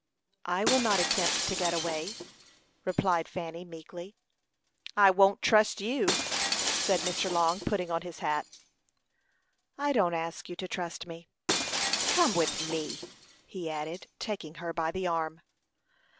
"I will not attempt to get away," replied Fanny, meekly. "I won't trust you," said Mr. Long, putting on his hat. "I don't ask you to trust me." "Come with me," he added, taking her by the arm.